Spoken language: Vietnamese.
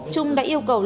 trung đã yêu cầu long